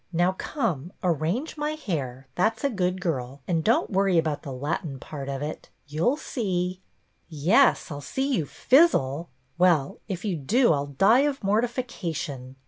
" Now come, ar range my hair, that 's a good girl, and don't worry about the Latin part of it. You 'll see." " Yes, I 'll see you fizzle. Well, if you do I 'll die of mortification.